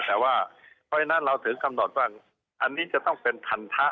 แต่ว่าเพราะฉะนั้นเราถึงกำหนดว่าอันนี้จะต้องเป็นพันธะ